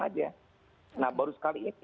aja nah baru sekali itu